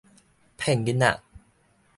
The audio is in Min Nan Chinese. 騙囡仔